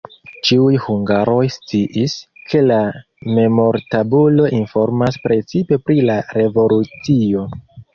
Ĉiuj hungaroj sciis, ke la memortabulo informas precipe pri la revolucio.